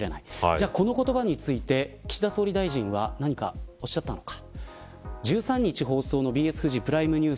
じゃあこの言葉について岸田総理大臣は何かおっしゃったのか。